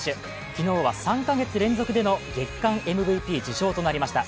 昨日は３か月連続での月間ＭＶＰ受賞となりました。